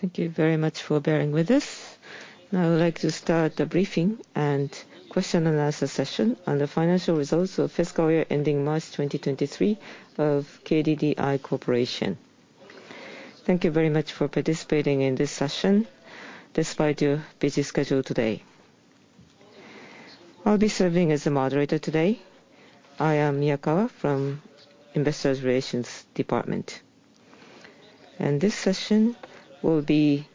Thank you very much for bearing with us. Now I would like to start the briefing and question and answer session on the financial results of fiscal year ending March 2023 of KDDI Corporation. Thank you very much for participating in this session despite your busy schedule today. I'll be serving as the moderator today. I am Miyakawa from Investor Relations Department. This session will be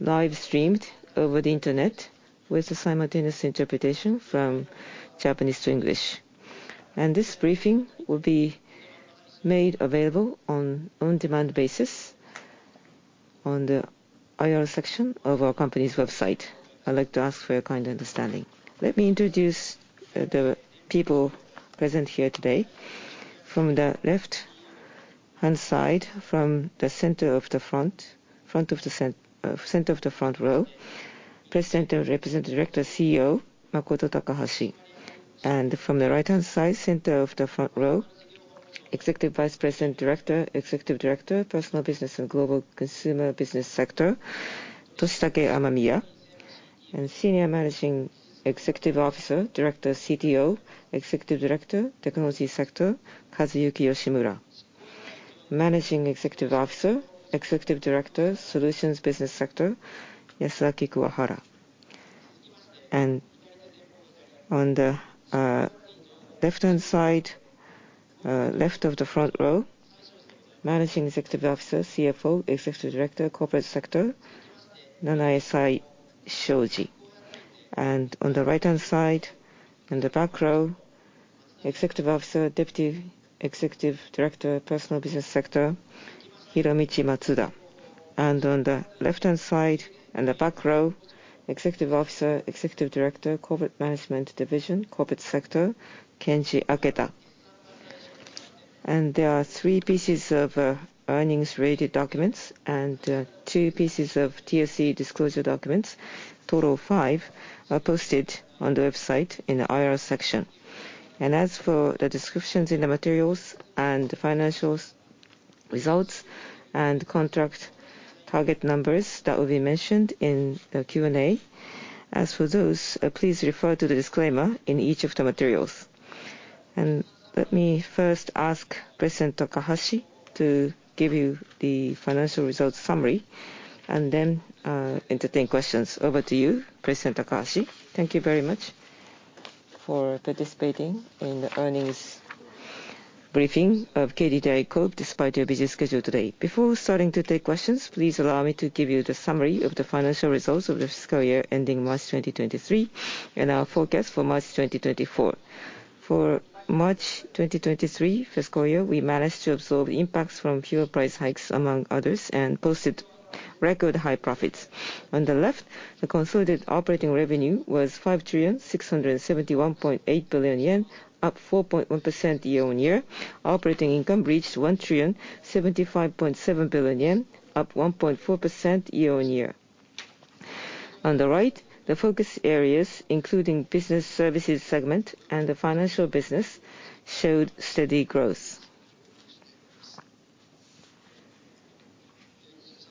live streamed over the internet with simultaneous interpretation from Japanese to English. This briefing will be made available on on-demand basis on the IR section of our company's website. I'd like to ask for your kind understanding. Let me introduce the people present here today. From the left-hand side, from the center of the front row, President and Representative Director, CEO Makoto Takahashi. From the right-hand side, center of the front row, Executive Vice President, Director, Executive Director, Personal Business and Global Consumer Business Sector, Toshitake Amemiya. Senior Managing Executive Officer, Director, CTO, Executive Director, Technology Sector, Kazuyuki Yoshimura. Managing Executive Officer, Executive Director, Solutions Business Sector, Yasuaki Kuwahara. On the left-hand side, left of the front row, Managing Executive Officer, CFO, Executive Director, Corporate Sector, Nanae Saishoji. On the right-hand side, in the back row, Executive Officer, Deputy Executive Director, Personal Business Sector, Hiromichi Matsuda. On the left-hand side, in the back row, Executive Officer, Executive Director, Corporate Management Division, Corporate Sector, Kenji Aketa. There are three pieces of earnings-related documents and two pieces of TSE disclosure documents. Total of five are posted on the website in the IR section. As for the descriptions in the materials and the financials results and contract target numbers that will be mentioned in the Q&A, as for those, please refer to the disclaimer in each of the materials. Let me first ask President Takahashi to give you the financial results summary, and then entertain questions. Over to you, President Takahashi. Thank you very much for participating in the earnings briefing of KDDI Corp despite your busy schedule today. Before starting to take questions, please allow me to give you the summary of the financial results of the fiscal year ending March 2023, and our forecast for March 2024. For March 2023 fiscal year, we managed to absorb impacts from fuel price hikes among others and posted record high profits. On the left, the consolidated operating revenue was 5,671.8 billion yen, up 4.1% year-on-year. Operating income reached 1,075.7 billion yen, up 1.4% year-on-year. On the right, the focus areas, including business services segment and the financial business, showed steady growth.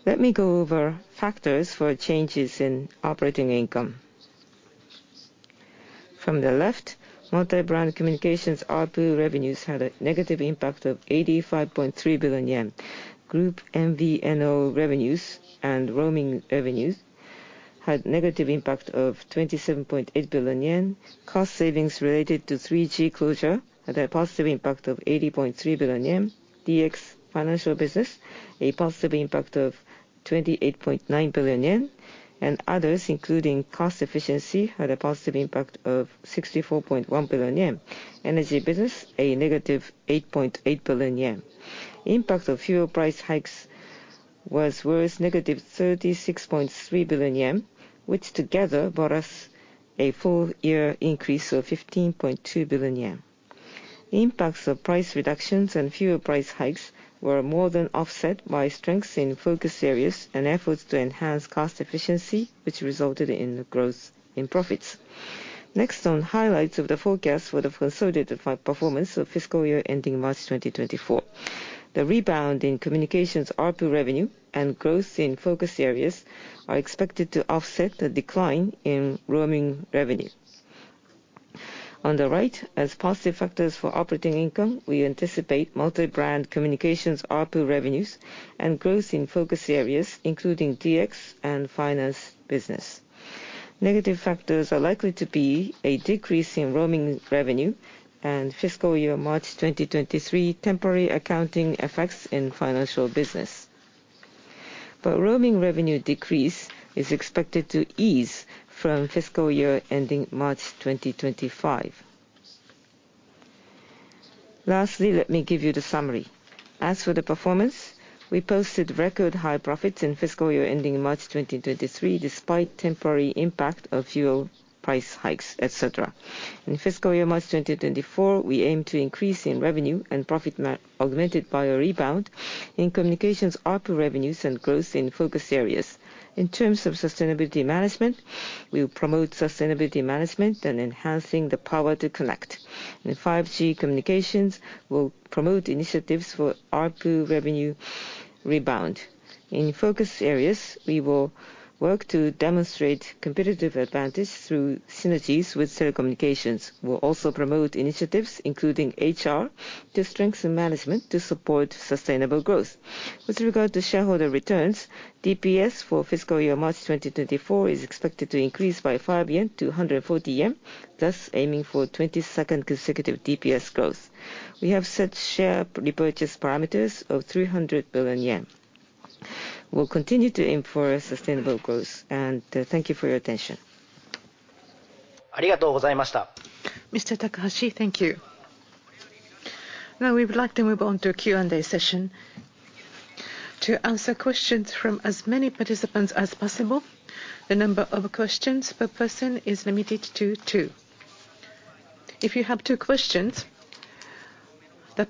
Let me go over factors for changes in operating income. From the left, multi-brand communications ARPU revenues had a negative impact of 85.3 billion yen. Group MVNO revenues and roaming revenues had negative impact of 27.8 billion yen. Cost savings related to 3G closure had a positive impact of 80.3 billion yen. DX financial business, a positive impact of 28.9 billion yen. Others, including cost efficiency, had a positive impact of 64.1 billion yen. Energy business, a negative 8.8 billion yen. Impact of fuel price hikes was negative 36.3 billion yen, which together brought us a full year increase of 15.2 billion yen. Impacts of price reductions and fuel price hikes were more than offset by strengths in focus areas and efforts to enhance cost efficiency, which resulted in the growth in profits. Next on highlights of the forecast for the consolidated performance of fiscal year ending March 2024. The rebound in communications ARPU revenue and growth in focus areas are expected to offset the decline in roaming revenue. On the right, as positive factors for operating income, we anticipate multi-brand communications ARPU revenues and growth in focus areas, including DX and finance business. Negative factors are likely to be a decrease in roaming revenue and fiscal year March 2023 temporary accounting effects in financial business. Roaming revenue decrease is expected to ease from fiscal year ending March 2025. Lastly, let me give you the summary. As for the performance, we posted record high profits in fiscal year ending March 2023, despite temporary impact of fuel price hikes, etc. In fiscal year March 2024, we aim to increase in revenue and profit augmented by a rebound in communications ARPU revenues and growth in focus areas. In terms of sustainability management, we will promote sustainability management and enhancing the power to connect. In 5G communications, we'll promote initiatives for ARPU revenue rebound. In focus areas, we will work to demonstrate competitive advantage through synergies with telecommunications. We'll also promote initiatives, including HR, to strengthen management to support sustainable growth. With regard to shareholder returns, DPS for fiscal year March 2024 is expected to increase by 5 yen to 140 yen, thus aiming for 22nd consecutive DPS growth. We have set share repurchase parameters of 300 billion yen. We'll continue to aim for a sustainable growth, and thank you for your attention. Mr. Takahashi, thank you. We would like to move on to a Q&A session. To answer questions from as many participants as possible, the number of questions per person is limited to two. If you have two questions,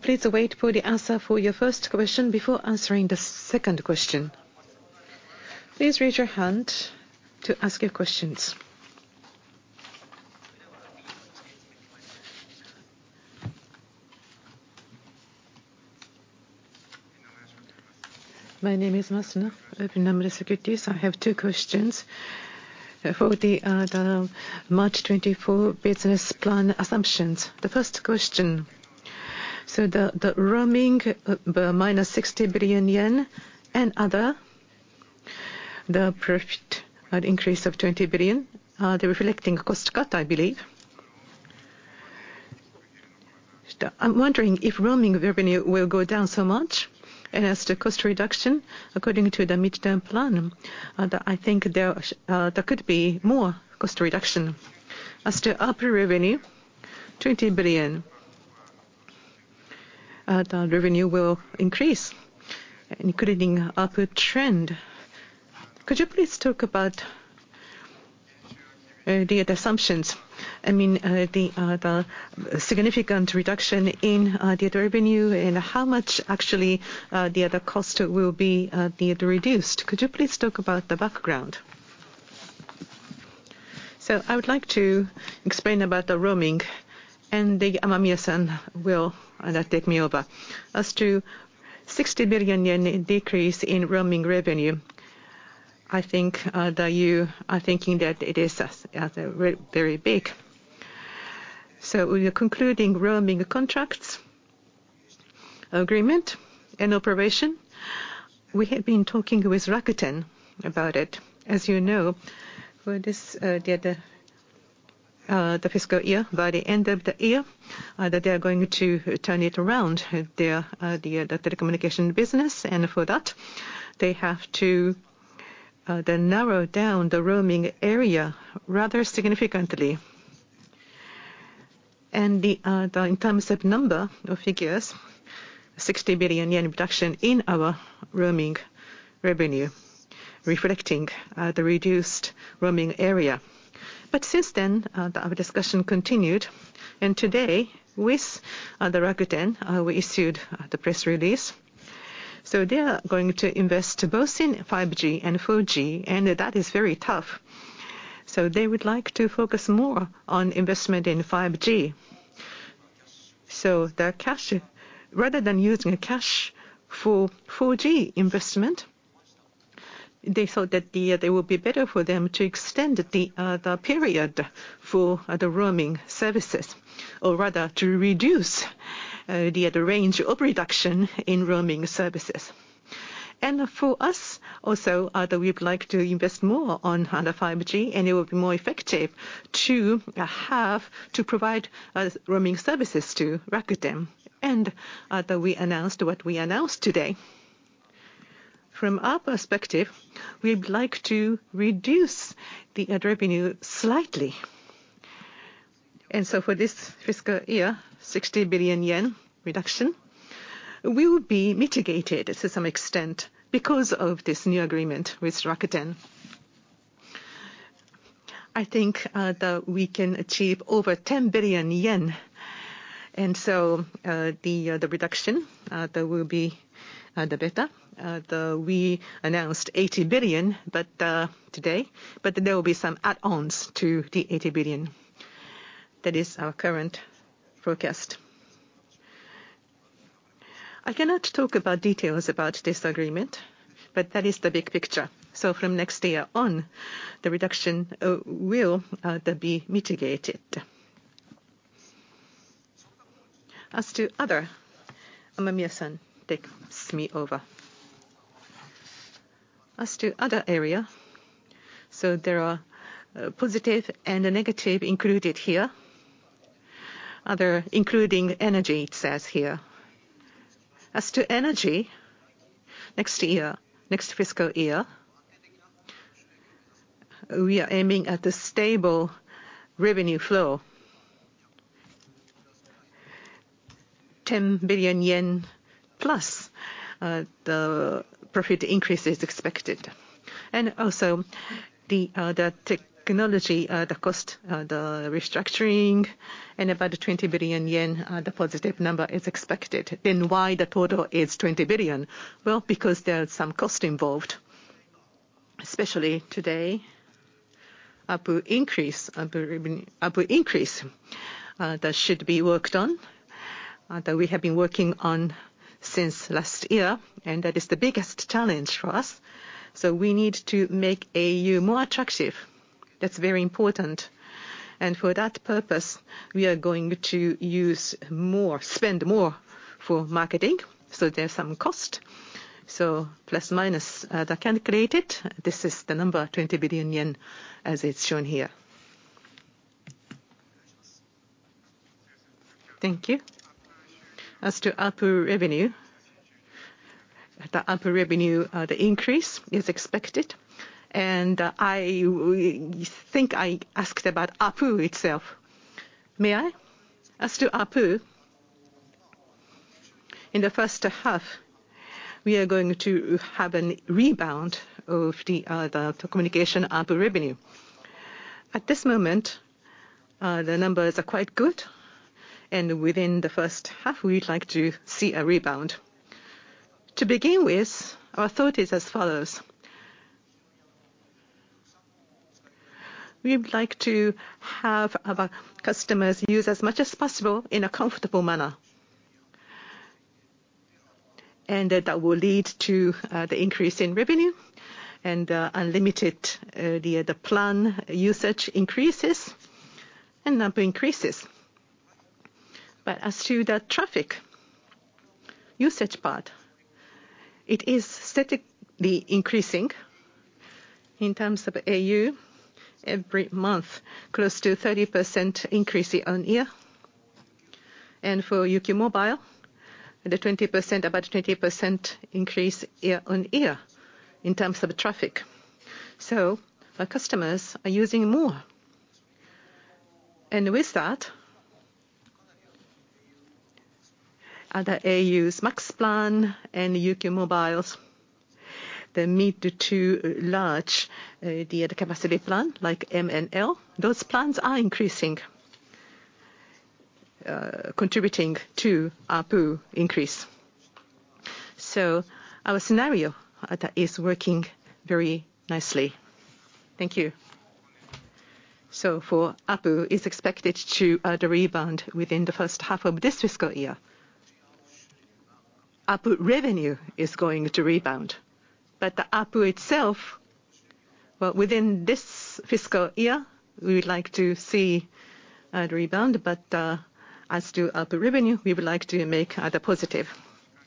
please wait for the answer for your first question before answering the second question. Please raise your hand to ask your questions. My name is Masuno of Nomura Securities Co., Ltd. I have two questions. For the 2024 business plan assumptions. The first question, the roaming, the - 60 billion yen and other, the profit, an increase of 20 billion, they were reflecting cost cut, I believe. I'm wondering if roaming revenue will go down so much. As to cost reduction, according to the midterm plan, I think there could be more cost reduction. As to ARPU revenue, 20 billion. The revenue will increase including ARPU trend. Could you please talk about the assumptions? I mean, the significant reduction in data revenue and how much actually the other cost will be need to reduced. Could you please talk about the background? I would like to explain about the roaming, and Amamiya-san will take me over. As to 60 billion yen in decrease in roaming revenue, I think that you are thinking that it is very big. We are concluding roaming contracts, agreement and operation. We have been talking with Rakuten about it. As you know, for this the fiscal year, by the end of the year, that they are going to turn it around, their telecommunication business. For that, they have to then narrow down the roaming area rather significantly. The in terms of number of figures, 60 billion yen reduction in our roaming revenue reflecting the reduced roaming area. Since then, our discussion continued, and today with Rakuten, we issued the press release. They are going to invest both in 5G and 4G, and that is very tough. The cash, rather than using cash for 4G investment, they thought that they would be better for them to extend the period for the roaming services or rather to reduce the range of reduction in roaming services. For us also, that we would like to invest more on the 5G, and it would be more effective to have to provide roaming services to Rakuten. That we announced what we announced today. From our perspective, we would like to reduce the ad revenue slightly. For this fiscal year, 60 billion yen reduction will be mitigated to some extent because of this new agreement with Rakuten. I think that we can achieve over 10 billion yen. The reduction that will be better. We announced 80 billion today, but there will be some add-ons to the 80 billion. That is our current forecast. I cannot talk about details about this agreement, but that is the big picture. From next year on, the reduction will be mitigated. As to other, Amamiya-san takes me over. As to other area, there are positive and negative included here. Other including energy, it says here. As to energy, next year, next fiscal year, we are aiming at the stable revenue flow. 10 billion yen +, the profit increase is expected. The technology, the cost, the restructuring and about the 20 billion yen, the positive number is expected. Why the total is $20 billion? Because there are some costs involved, especially today. ARPU increase, ARPU increase, that should be worked on, that we have been working on since last year, and that is the biggest challenge for us. We need to make au more attractive. That's very important. For that purpose, we are going to use more, spend more for marketing, so there's some cost. + or -, that calculated, this is the number, 20 billion yen, as it's shown here. Thank you. As to ARPU revenue. The ARPU revenue, the increase is expected, and I think I asked about ARPU itself. May I? As to ARPU, in the first half, we are going to have a rebound of the communication ARPU revenue. At this moment, the numbers are quite good and within the first half, we'd like to see a rebound. To begin with, our thought is as follows. We would like to have our customers use as much as possible in a comfortable manner. That will lead to the increase in revenue and unlimited the plan usage increases and number increases. As to the traffic usage part, it is steadily increasing. In terms of au, every month, close to 30% increase year-on-year. For UQ mobile, the 20%, about 20% increase year-on-year in terms of traffic. Our customers are using more. With that, the au's max plan and UQ mobile's, they need to large the capacity plan like M and L. Those plans are increasing, contributing to ARPU increase. Our scenario, that is working very nicely. Thank you. For ARPU is expected to rebound within the first half of this fiscal year. ARPU revenue is going to rebound. The ARPU itself, well, within this fiscal year, we would like to see rebound, but as to ARPU revenue, we would like to make the positive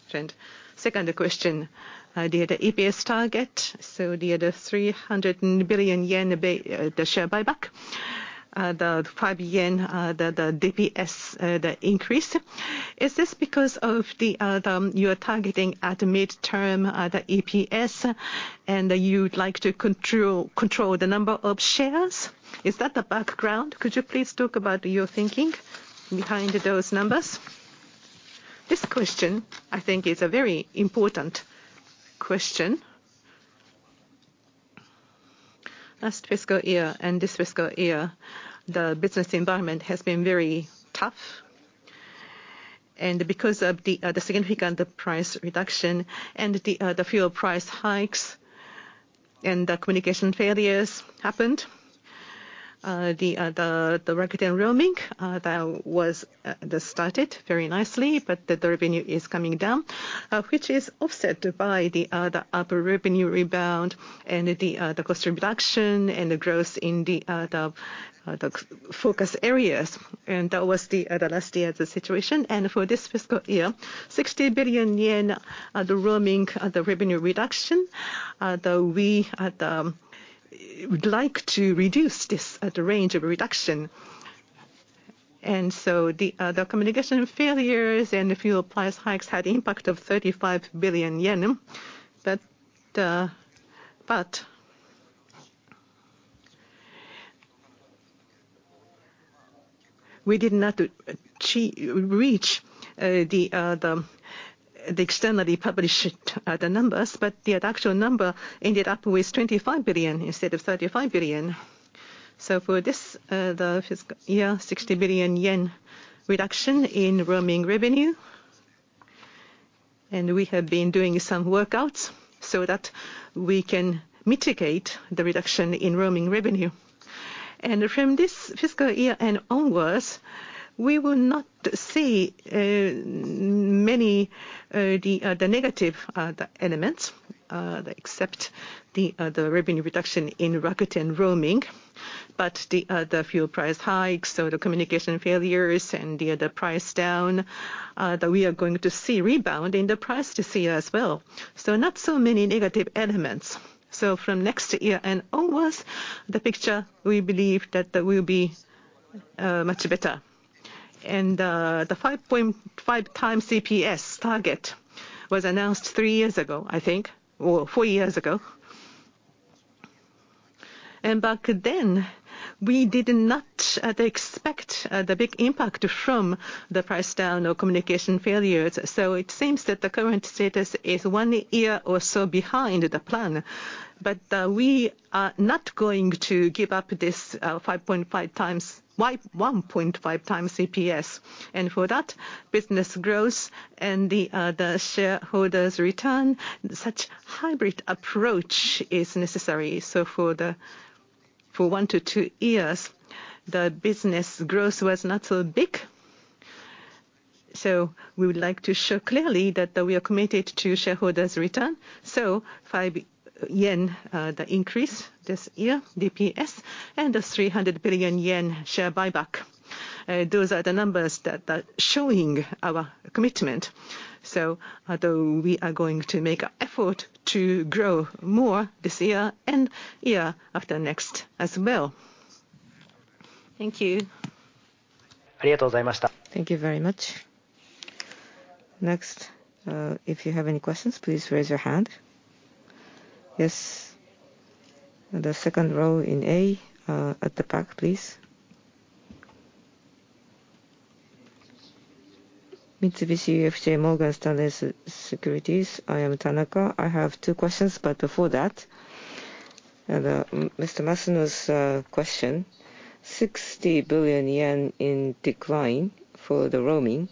trend. Second question, the EPS target. The 300 billion yen, the share buyback. The 5 yen, the DPS, the increase. Is this because of the, you are targeting at the midterm, the EPS, and you'd like to control the number of shares? Is that the background? Could you please talk about your thinking behind those numbers? This question, I think, is a very important question. Last fiscal year and this fiscal year, the business environment has been very tough. Because of the significant price reduction and the fuel price hikes and the communication failures happened, the Rakuten roaming that was that started very nicely, but the revenue is coming down, which is offset by the ARPU revenue rebound and the cost reduction and the growth in the focus areas. That was the last year's situation. For this fiscal year, 60 billion yen, the roaming revenue reduction, though we would like to reduce this range of reduction. The communication failures and the fuel price hikes had impact of 35 billion yen. But we did not reach the externally published numbers, but the actual number ended up with 25 billion instead of 35 billion. For this fiscal year, 60 billion yen reduction in roaming revenue. We have been doing some workouts so that we can mitigate the reduction in roaming revenue. From this fiscal year and onwards, we will not see many negative elements, except the revenue reduction in Rakuten roaming. The fuel price hikes or the communication failures and the price down, that we are going to see rebound in the price this year as well. Not so many negative elements. From next year and onwards, the picture we believe that that will be much better. The 5 times EPS target was announced 3 years ago, I think, or 4 years ago. We did not expect the big impact from the price down or communication failures. It seems that the current status is 1 year or so behind the plan. We are not going to give up this 5.5 times 1.5 times CPS. For that, business growth and the shareholders' return, such hybrid approach is necessary. For the, for 1 to 2 years, the business growth was not so big, so we would like to show clearly that we are committed to shareholders' return. 5 yen, the increase this year, DPS, and the 300 billion yen share buyback. Those are the numbers that are showing our commitment. Although we are going to make effort to grow more this year and year after next as well. Thank you. Thank you very much. Next, if you have any questions, please raise your hand. Yes. The second row in A, at the back, please. Mitsubishi UFJ Morgan Stanley Securities. I am Tanaka. I have two questions. Before that, Mr. Masuno's question, 60 billion yen in decline for the roaming,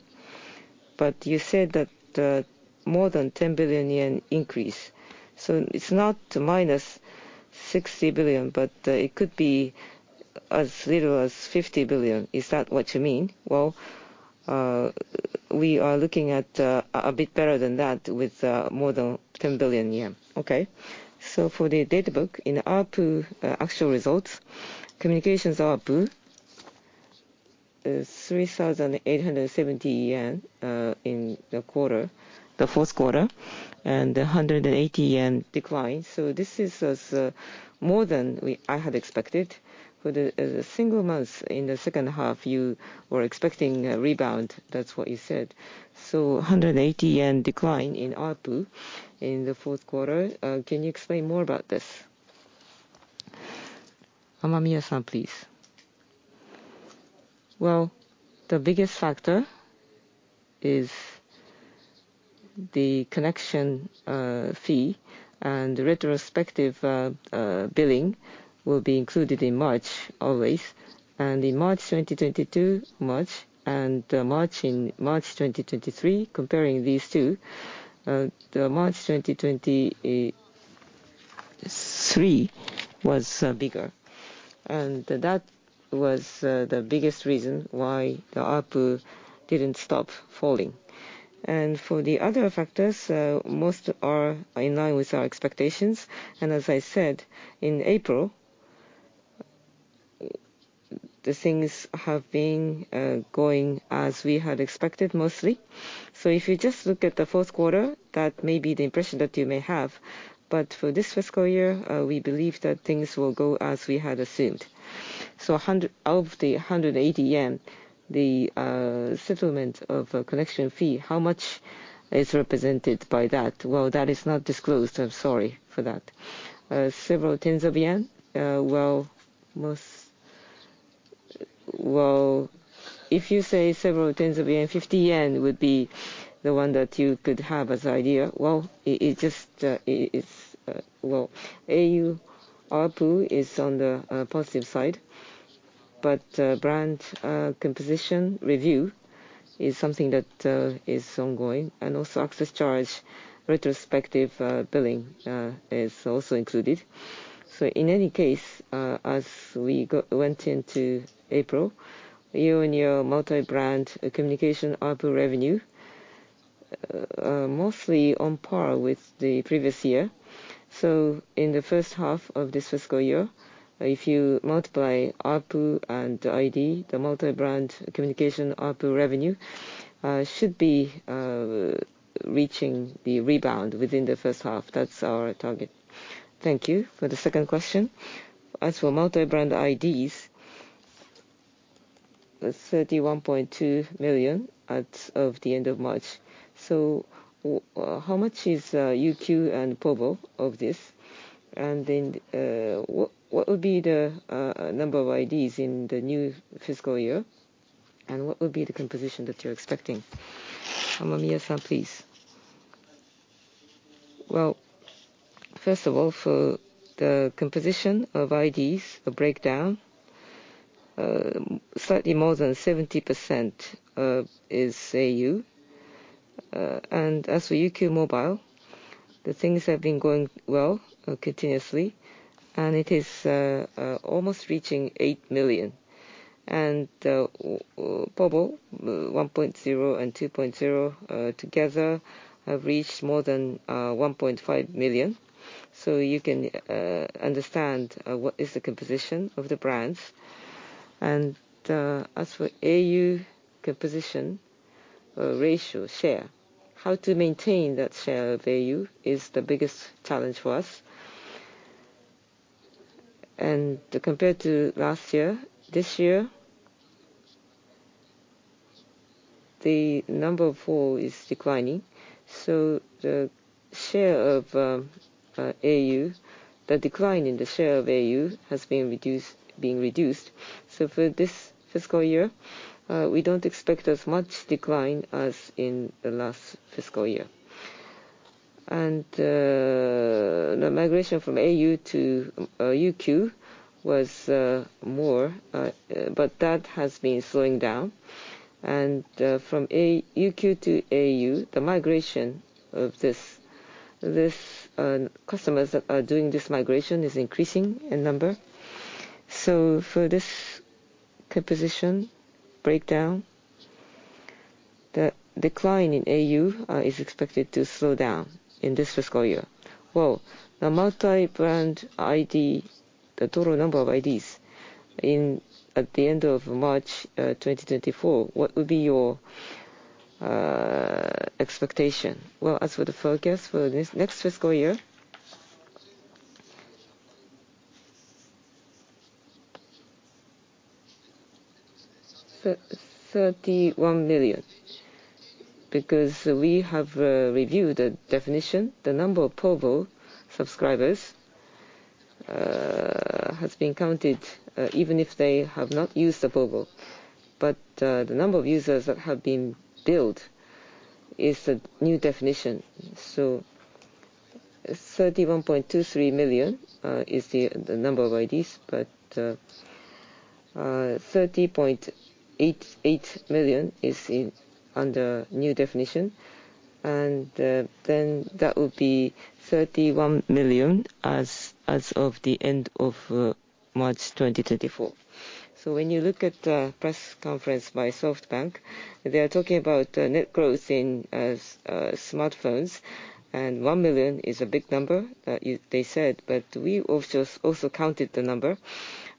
you said that more than 10 billion yen increase. It's not - 60 billion, it could be as little as 50 billion. Is that what you mean? We are looking at a bit better than that with more than 10 billion yen. For the data book, in ARPU, actual results, communications ARPU is 3,870 yen in the quarter, the fourth quarter, and 180 yen decline. This is more than we, I had expected. For the single months in the second half, you were expecting a rebound. That's what you said. 180 yen decline in ARPU in the fourth quarter. Can you explain more about this? Amamiya-san, please. Well, the biggest factor is the connection fee and retrospective billing will be included in March always. In March 2022, March, and March 2023, comparing these two, the March 2023 was bigger. That was the biggest reason why the ARPU didn't stop falling. For the other factors, most are in line with our expectations. As I said, in April, the things have been going as we had expected mostly. If you just look at the fourth quarter, that may be the impression that you may have. For this fiscal year, we believe that things will go as we had assumed. 100- of the 180 yen, the settlement of the connection fee, how much is represented by that? Well, that is not disclosed. I'm sorry for that. Several tens of JPY. Well, if you say several tens of 50 yen would be the one that you could have as idea. au ARPU is on the positive side. Brand composition review is something that is ongoing. Also access charge retrospective billing is also included. In any case, as we went into April, year-on-year multi-brand communication ARPU revenue mostly on par with the previous year. In the first half of this fiscal year, if you multiply ARPU and ID, the multi-brand communication ARPU revenue should be reaching the rebound within the first half. That's our target. Thank you. For the second question, as for multi-brand IDs, 31.2 million as of the end of March. How much is UQ and povo of this? What would be the number of IDs in the new fiscal year? What would be the composition that you're expecting? Amamiya-san, please. First of all, for the composition of IDs, the breakdown, slightly more than 70%, is au. As for UQ mobile, the things have been going well continuously. It is almost reaching 8 million. povo 1.0 and 2.0 together have reached more than 1.5 million. You can understand what is the composition of the brands. As for au composition ratio share, how to maintain that share of au is the biggest challenge for us. Compared to last year, this year, the number four is declining. The share of au, the decline in the share of au has been reduced. For this fiscal year, we don't expect as much decline as in the last fiscal year. The migration from au to UQ was more, but that has been slowing down. From UQ to au, the migration of this customers that are doing this migration is increasing in number. For this composition breakdown, the decline in au is expected to slow down in this fiscal year. Well, the multi-brand ID, the total number of IDs in, at the end of March 2024, what would be your expectation? Well, as for the forecast for this next fiscal year, 31 million. Because we have reviewed the definition, the number of total subscribers has been counted even if they have not used the total. The number of users that have been billed is the new definition. 31.23 million is the number of IDs. 30.88 million is under new definition. That would be 31 million as of the end of March 2024. When you look at the press conference by SoftBank, they are talking about net growth in smartphones, and 1 million is a big number, they said. We also counted the number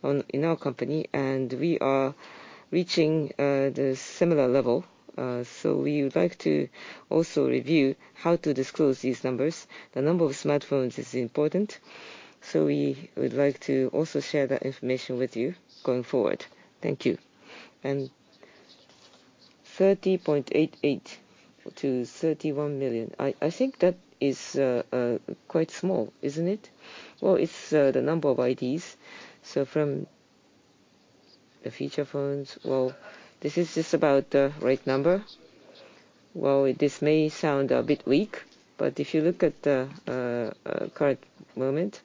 in our company, and we are reaching the similar level. We would like to also review how to disclose these numbers. The number of smartphones is important, so we would like to also share that information with you going forward. Thank you. 30.88 million-31 million, I think that is quite small, isn't it? Well, it's the number of IDs. From the feature phones, well, this is just about the right number. Well, this may sound a bit weak, but if you look at the current moment,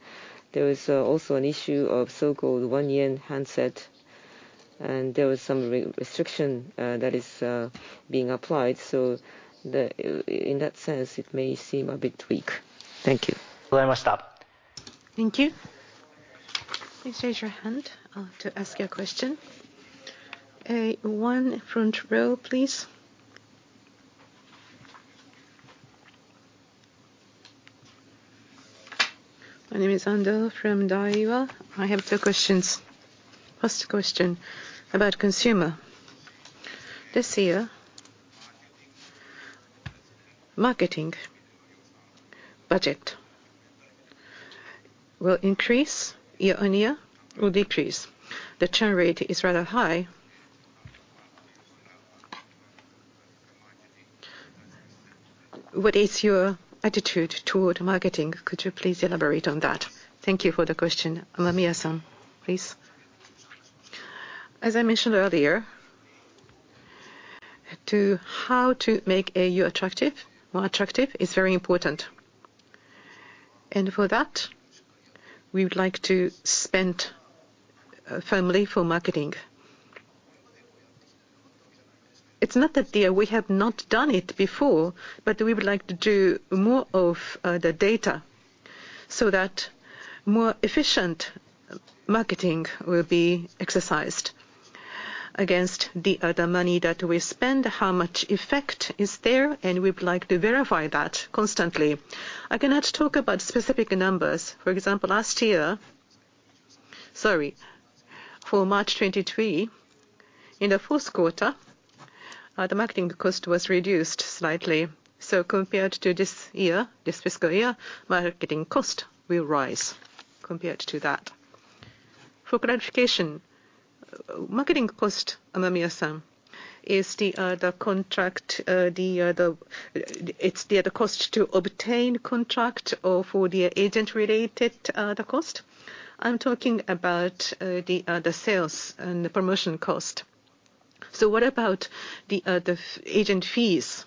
there is also an issue of so-called 1 JPY handset, and there was some re-restriction that is being applied. In that sense, it may seem a bit weak. Thank you. Thank you. Please raise your hand to ask your question. Okay, one front row, please. My name is Andel from Daiwa. I have two questions. First question about consumer. This year, marketing budget will increase year-on-year or decrease? The churn rate is rather high. What is your attitude toward marketing? Could you please elaborate on that? Thank you for the question. Amamiya-san, please. As I mentioned earlier, to how to make au attractive, more attractive is very important. For that, we would like to spend firmly for marketing. It's not that we have not done it before, but we would like to do more of the data so that more efficient marketing will be exercised against the other money that we spend, how much effect is there, and we would like to verify that constantly. I cannot talk about specific numbers. For example, last year. Sorry. For March 2023, in the first quarter, the marketing cost was reduced slightly. Compared to this year, this fiscal year, marketing cost will rise compared to that. For clarification, marketing cost, Amamiya-san, is the contract, the, it's the cost to obtain contract or for the agent-related, the cost? I'm talking about the sales and the promotion cost. What about the agent fees?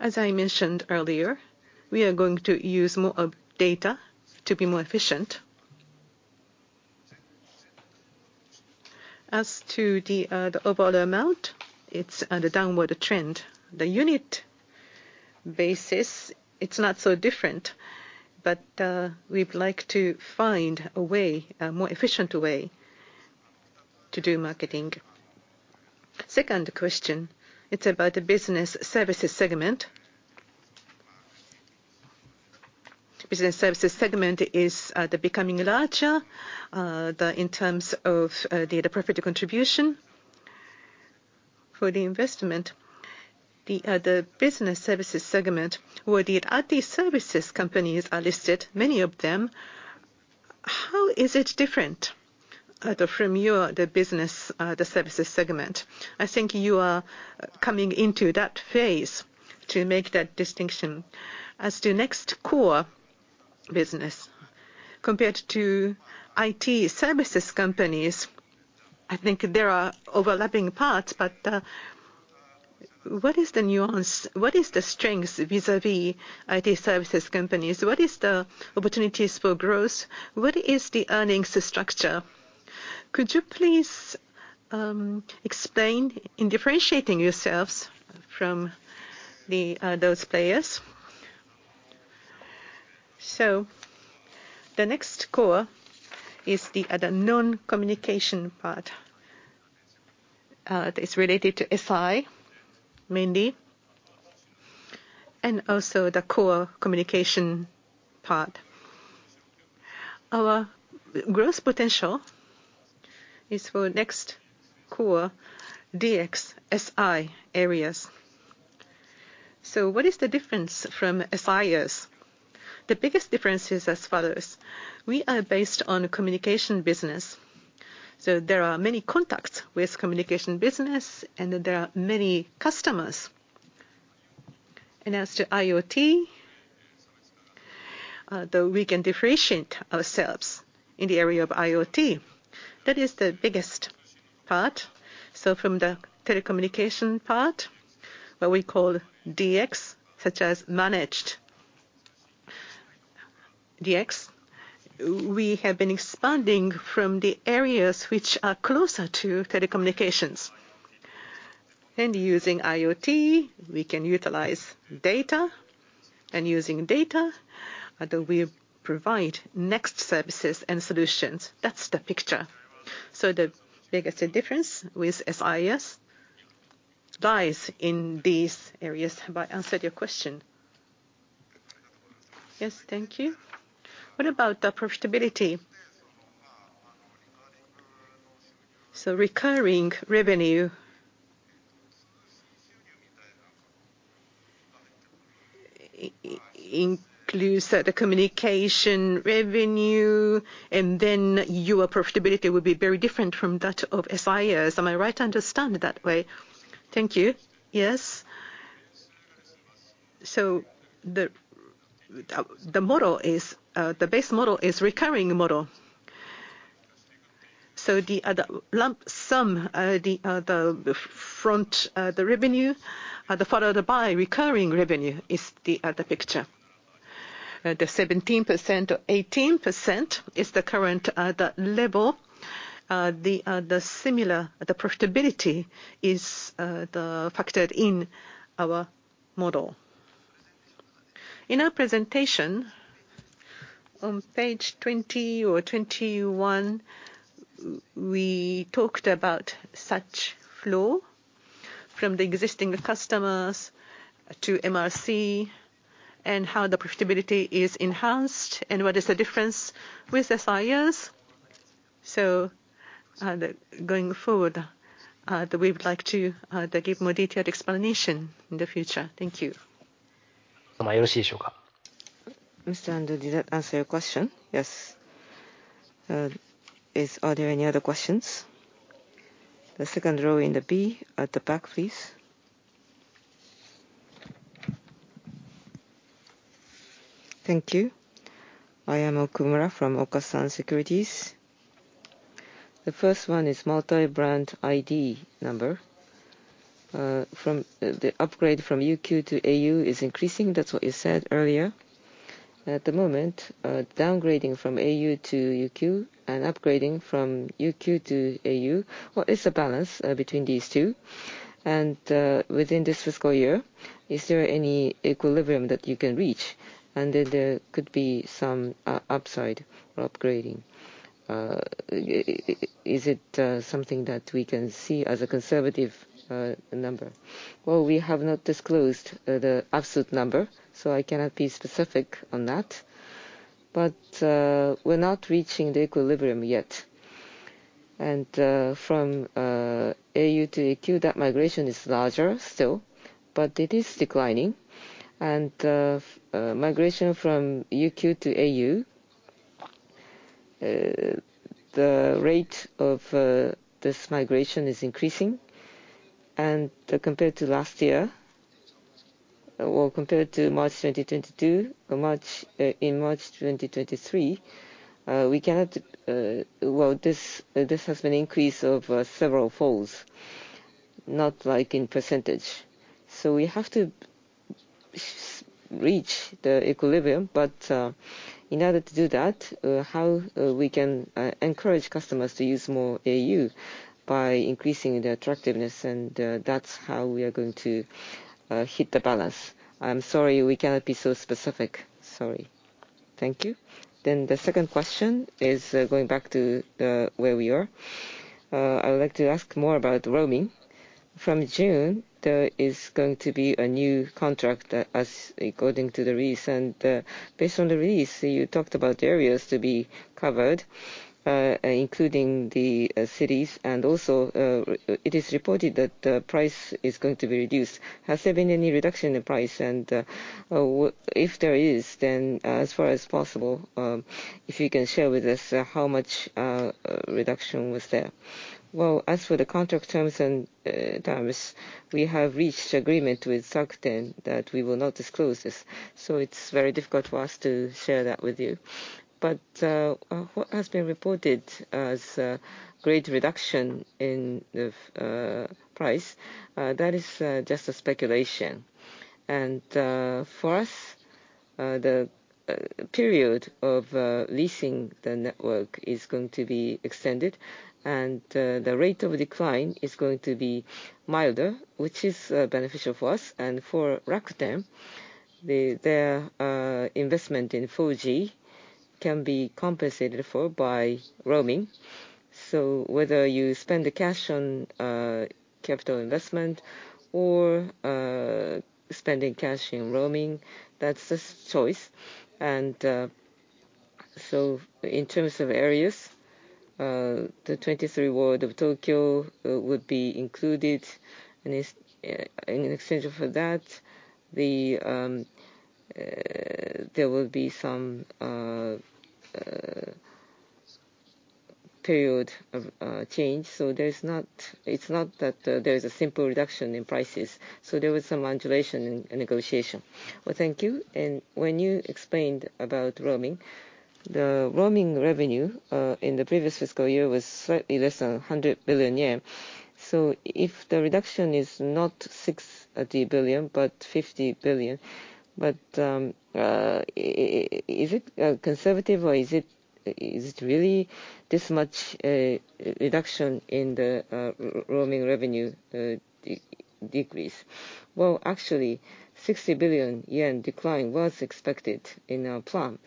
As I mentioned earlier, we are going to use more of data to be more efficient. As to the overall amount, it's at a downward trend. The unit basis, it's not so different. We'd like to find a way, a more efficient way to do marketing. Second question, it's about the business services segment. Business services segment is becoming larger in terms of profit contribution. For the investment, the business services segment, where the IT services companies are listed, many of them. Is it different from your business services segment? I think you are coming into that phase to make that distinction. As to NEXT Core business, compared to IT services companies, I think there are overlapping parts, but what is the nuance? What is the strengths vis-a-vis IT services companies? What is the opportunities for growth? What is the earnings structure? Could you please explain in differentiating yourselves from those players? The NEXT Core is the other non-communication part. It's related to SI mainly, and also the core communication part. Our growth potential is for NEXT Core DX, SI areas. What is the difference from SIs? The biggest difference is as follows. We are based on communication business, so there are many contacts with communication business, and there are many customers. As to IoT, though we can differentiate ourselves in the area of IoT, that is the biggest part. From the telecommunication part, what we call DX, such as managed DX, we have been expanding from the areas which are closer to telecommunications. Using IoT, we can utilize data. Using data, we provide next services and solutions. That's the picture. The biggest difference with SIs lies in these areas. Have I answered your question? Yes. Thank you. What about the profitability? Recurring revenue includes the communication revenue, your profitability would be very different from that of SIs. Am I right to understand it that way? Thank you. Yes. The model is, the base model is recurring model. The lump sum, the front revenue, followed by recurring revenue is the picture. The 17% or 18% is the current level. The similar, the profitability is factored in our model. In our presentation on page 20 or 21, we talked about such flow from the existing customers to MRC, and how the profitability is enhanced, and what is the difference with SIs. Going forward, we would like to give more detailed explanation in the future. Thank you. Mr. Andel, did that answer your question? Yes. Are there any other questions? The second row in the B at the back, please. Thank you. I am Okumura from Okasan Securities. The first one is multi-brand ID number. From the upgrade from UQ to au is increasing. That's what you said earlier. At the moment, downgrading from au to UQ and upgrading from UQ to au, what is the balance between these two? Within this fiscal year, is there any equilibrium that you can reach? Then there could be some upside or upgrading. Is it something that we can see as a conservative number? Well, we have not disclosed the absolute number, so I cannot be specific on that. We're not reaching the equilibrium yet. From au to UQ, that migration is larger still, but it is declining. Migration from UQ to au, the rate of this migration is increasing. Compared to last year, or compared to March 2022 or March, in March 2023, we cannot… Well, this has been increase of several folds, not like in percentage. We have to reach the equilibrium. In order to do that, how we can encourage customers to use more au by increasing the attractiveness, and that's how we are going to hit the balance. I'm sorry, we cannot be so specific. Sorry. Thank you. The second question is, going back to where we are. I would like to ask more about roaming. From June, there is going to be a new contract, as according to the lease. Based on the lease, you talked about areas to be covered, including the cities. Also, it is reported that the price is going to be reduced. Has there been any reduction in price? If there is, then as far as possible, if you can share with us, how much reduction was there? As for the contract terms and terms, we have reached agreement with SoftBank that we will not disclose this, so it's very difficult for us to share that with you. What has been reported as a great reduction in the price, that is just a speculation. For us, the period of leasing the network is going to be extended, and the rate of decline is going to be milder, which is beneficial for us. For Rakuten, their investment in 4G can be compensated for by roaming. Whether you spend the cash on capital investment or spending cash in roaming, that's the choice. In terms of areas, the 23 ward of Tokyo would be included. This, in exchange for that, there will be some period of change. There's not, it's not that, there's a simple reduction in prices. There was some modulation in negotiation. Well, thank you. When you explained about roaming, the roaming revenue in the previous fiscal year was slightly less than 100 billion yen. If the reduction is not 60 billion, but 50 billion. Is it conservative or is it really this much reduction in the roaming revenue decrease? Actually 60 billion yen decline was expected in our plan.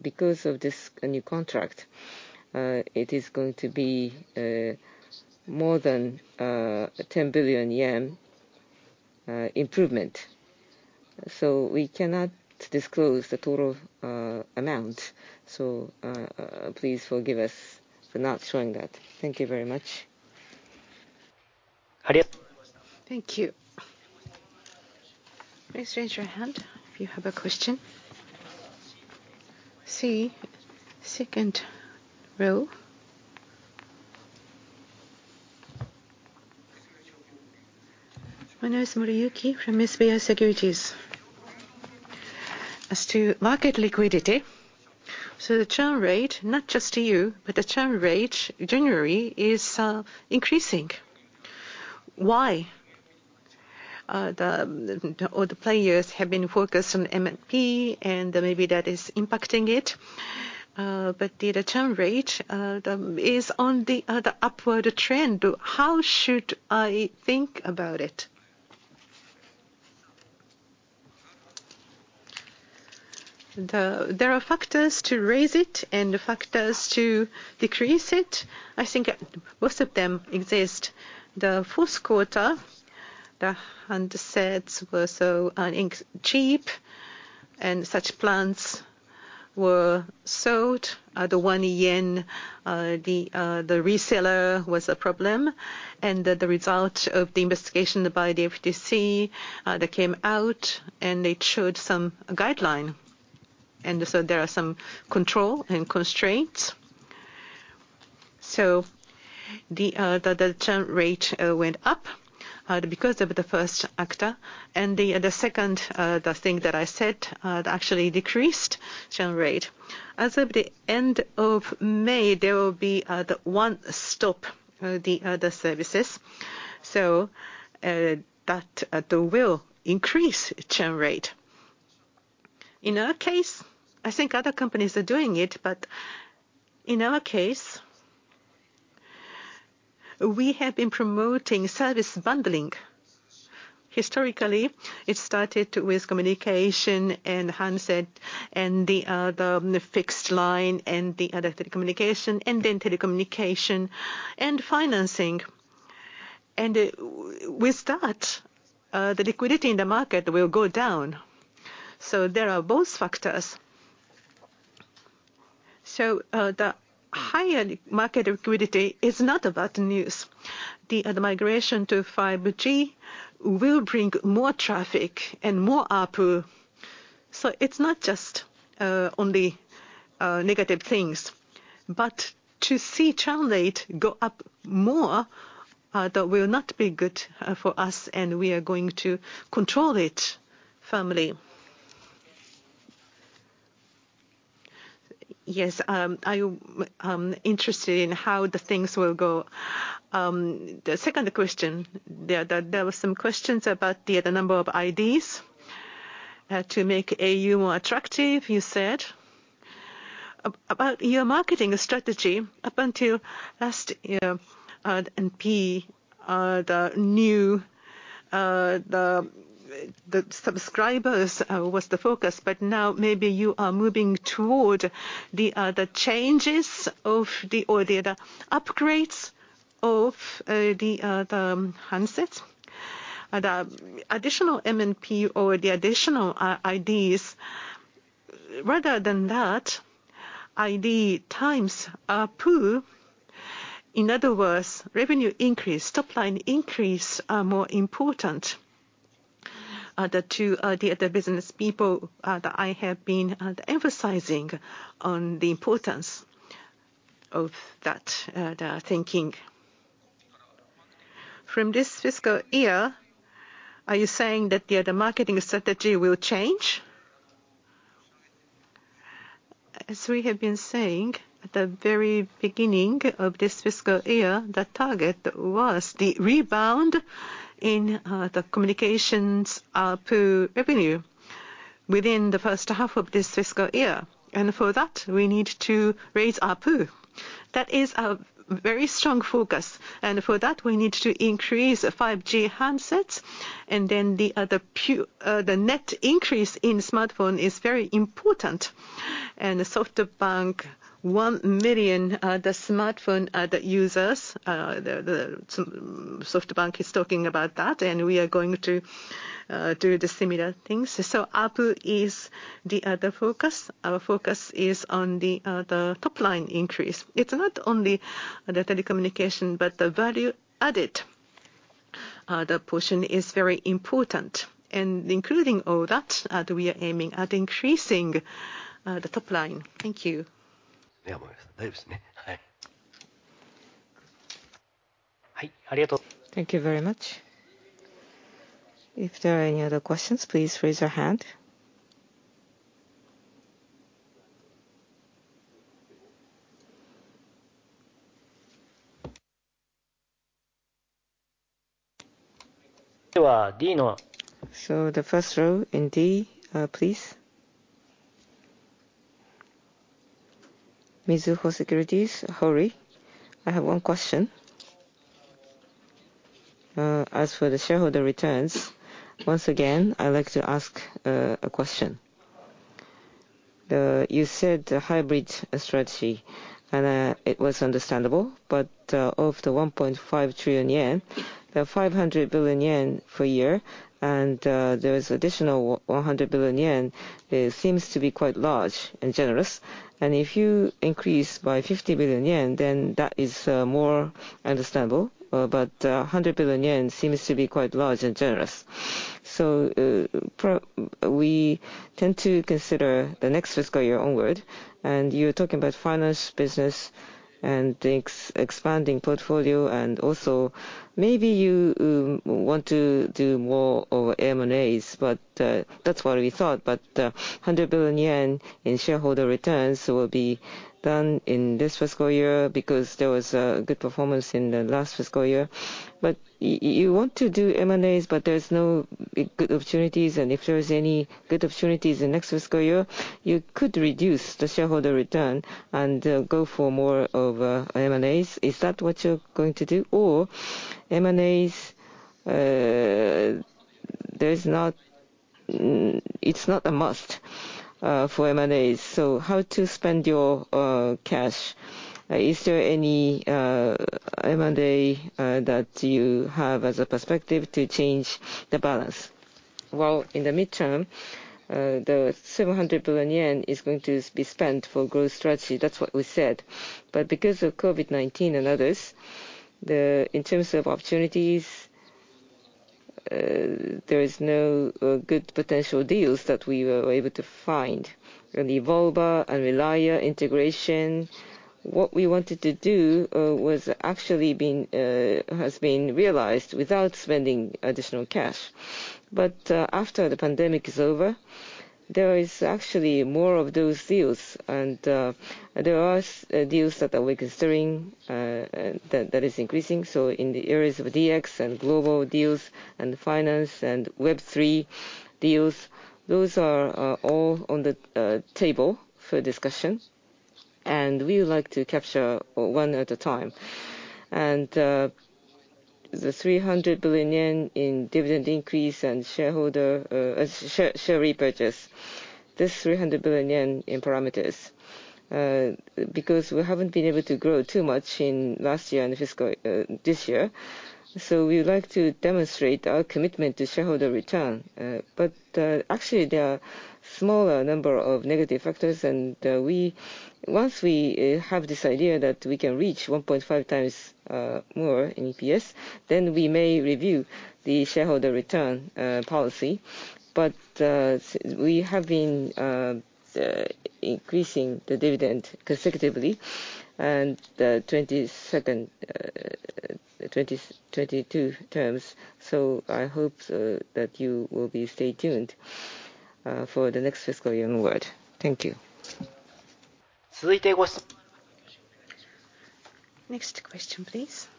Because of this new contract, it is going to be more than JPY 10 billion improvement. We cannot disclose the total amount. Please forgive us for not showing that. Thank you very much. Thank you. Please raise your hand if you have a question. C, second row. My name is Moriyuki from SBI Securities. As to market liquidity, so the churn rate, not just to you, but the churn rate generally is increasing. Why? All the players have been focused on MNP, and maybe that is impacting it. The return rate is on the upward trend. How should I think about it? There are factors to raise it and factors to decrease it. I think most of them exist. The first quarter, the handsets were so cheap and such plans were sold. The 1 yen, the reseller was a problem. The result of the investigation by the FTC, they came out and they showed some guideline. There are some control and constraints. The churn rate went up because of the first actor. The second, the thing that I said, actually decreased churn rate. As of the end of May, there will be the one-stop services. That though will increase churn rate. In our case, I think other companies are doing it, but in our case, we have been promoting service bundling. Historically, it started with communication and handset and the fixed line and the other telecommunication, and then telecommunication and financing. With that, the liquidity in the market will go down. There are both factors. The higher market liquidity is not about news. The migration to 5G will bring more traffic and more output. It's not just only negative things. To see churn rate go up more, that will not be good for us, and we are going to control it firmly. Yes. I, interested in how the things will go. The second question. There were some questions about the number of IDs, to make au more attractive, you said. About your marketing strategy up until last year, MNP, the new subscribers was the focus, but now maybe you are moving toward the changes of the upgrades of the handsets. The additional MNP or the additional IDs. Rather than that, ID times pool, in other words, revenue increase, top line increase are more important to the business people that I have been emphasizing on the importance of that thinking. From this fiscal year, are you saying that the marketing strategy will change? As we have been saying, the very beginning of this fiscal year, the target was the rebound in the communications pool revenue within the first half of this fiscal year. For that, we need to raise our pool. That is our very strong focus. For that, we need to increase 5G handsets. Then the other net increase in smartphone is very important. SoftBank, 1 million smartphone users SoftBank is talking about that, and we are going to do the similar things. Pool is the focus. Our focus is on the top line increase. It's not only the telecommunication, but the value added. The portion is very important. Including all that, we are aiming at increasing the top line. Thank you. Thank you very much. If there are any other questions, please raise your hand. The first row in D, please. Mizuho Securities, Horie. I have 1 question. As for the shareholder returns, once again, I'd like to ask a question. You said a hybrid strategy, it was understandable. Of the 1.5 trillion yen, the 500 billion yen for year, there is additional 100 billion yen seems to be quite large and generous. If you increase by JPY 50 billion, then that is more understandable. 100 billion yen seems to be quite large and generous. We tend to consider the next fiscal year onward, and you're talking about finance business and expanding portfolio and also maybe you want to do more of M&As. That's what we thought. 100 billion yen in shareholder returns will be done in this fiscal year because there was good performance in the last fiscal year. You want to do M&As, but there's no good opportunities, and if there is any good opportunities in next fiscal year, you could reduce the shareholder return and go for more of M&As. Is that what you're going to do? M&As, it's not a must for M&As. How to spend your cash? Is there any M&A that you have as a perspective to change the balance? In the midterm, the 700 billion yen is going to be spent for growth strategy. That's what we said. Because of COVID-19 and others, the, in terms of opportunities, there is no good potential deals that we were able to find. In the Evolva and Relia integration, what we wanted to do, actually has been realized without spending additional cash. After the pandemic is over, there is actually more of those deals. There are deals that are we considering that is increasing. In the areas of DX and global deals and finance and Web3 deals, those are all on the table for discussion. We would like to capture one at a time. The 300 billion yen in dividend increase and shareholder share repurchase, this 300 billion yen in parameters. Because we haven't been able to grow too much in last year and fiscal this year. We would like to demonstrate our commitment to shareholder return. Actually, there are smaller number of negative factors. We, once we, have this idea that we can reach 1.5 times more in EPS, then we may review the shareholder return policy. We have been increasing the dividend consecutively and the 22nd 22 terms. I hope that you will be stay tuned for the next fiscal year onward. Thank you. Next question, please. It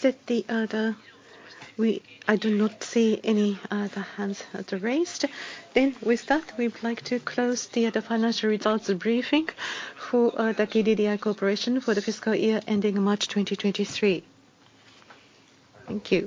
seems that the... I do not see any other hands raised. With that, we would like to close the financial results briefing for the KDDI Corporation for the fiscal year ending March 2023. Thank you.